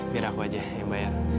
biar aku aja yang bayar